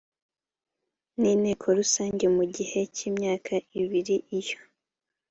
n inteko rusange mu gihe cy imyaka ibiri iyo